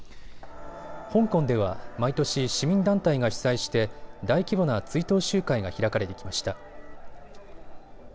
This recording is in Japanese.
香港では毎年、市民団体が主催して大規模な追悼集会が開かれてきました。